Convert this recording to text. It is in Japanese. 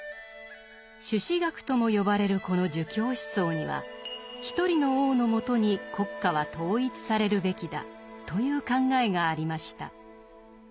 「朱子学」とも呼ばれるこの儒教思想には「一人の王のもとに国家は統一されるべきだ」という考えがありました。